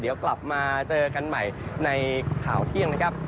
เดี๋ยวกลับมาเจอกันใหม่ในข่าวเที่ยงนะครับ